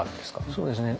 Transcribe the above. そうですね。